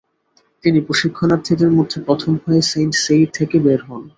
তিনি প্রশিক্ষণার্থীদের মধ্যে প্রথম হয়ে সেইন্ট সেইর থেকে বের হন।